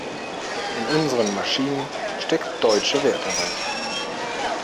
In unseren Maschinen steckt deutsche Wertarbeit.